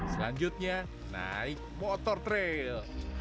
selanjutnya naik motor trail